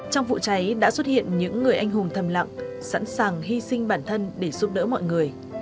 trong vụ cháy đã xuất hiện những người anh hùng thầm lặng sẵn sàng hy sinh bản thân để giúp đỡ mọi người